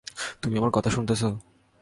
তুমি আমার কথা শুনতেছ?